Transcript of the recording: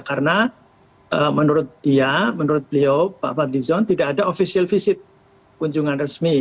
karena menurut dia menurut beliau pak fadlizon tidak ada official visit kunjungan resmi